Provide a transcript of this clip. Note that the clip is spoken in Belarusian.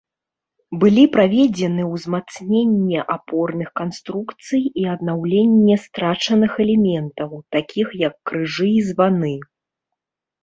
Былі праведзены ўзмацненне апорных канструкцый і аднаўленне страчаных элементаў, такіх як крыжы і званы.